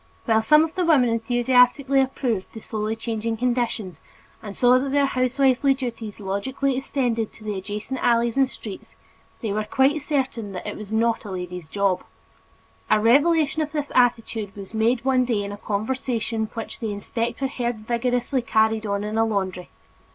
While some of the women enthusiastically approved the slowly changing conditions and saw that their housewifely duties logically extended to the adjacent alleys and streets, they yet were quite certain that "it was not a lady's job." A revelation of this attitude was made one day in a conversation which the inspector heard vigorously carried on in a laundry.